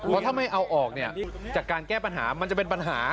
เพราะถ้าไม่เอาออกจากการแก้ปัญหามันจะเป็นปัญหา